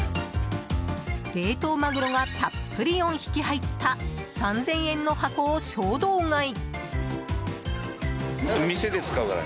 冷凍マグロがたっぷり４匹入った３０００円の箱を衝動買い。